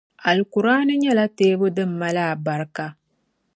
Alkur’aani nyɛla teebu din mali alibaraka.